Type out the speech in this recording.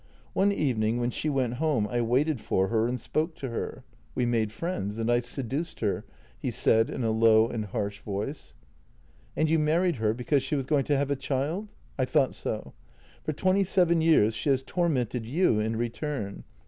One evening when she went home I waited for her and spoke to her. We made friends — and I seduced her," he said in a low and harsh voice. " And you married her because she was going to have a child ?— I thought so. F or twenty seven years she has tor mented you in return.